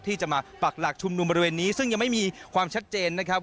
ที่จะมาปักหลักชุมนุมบริเวณนี้ซึ่งยังไม่มีความชัดเจนนะครับ